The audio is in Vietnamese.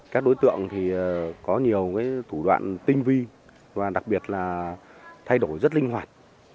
các đối tượng thì có nhiều thủ đoạn tinh vi và đặc biệt là thay đổi rất linh hoạt